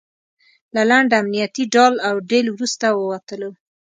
له لنډ امنیتي ډال او ډیل وروسته ووتلو.